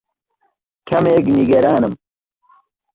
کەمێک نیگەرانم.